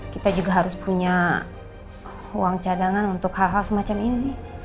kita juga harus punya uang cadangan untuk hal hal semacam ini